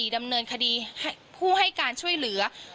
ดำเนินคดีผู้ให้การช่วยเหลือ